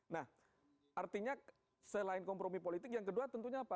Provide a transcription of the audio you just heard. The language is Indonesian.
nah artinya selain kompromi politik yang kedua tentunya apa